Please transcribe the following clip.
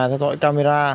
xem tỏi camera